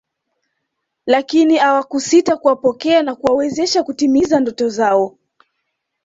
Lakini awakusita kuwapokea na kuwawezesha kutimiza ndoto zao